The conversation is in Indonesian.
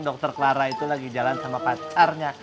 dokter clara itu lagi jalan sama pacarnya